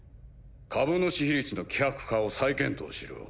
株主比率の希薄化を再検討しろ。